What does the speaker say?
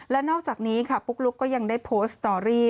และนอกจากนี้ค่ะปุ๊กลุ๊กก็ยังได้โพสต์สตอรี่